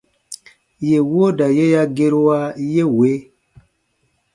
Yè wooda ye ya gerua ye wee :